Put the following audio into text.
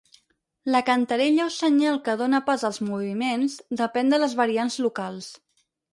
La cantarella o senyal que dóna pas als moviments depèn de les variants locals.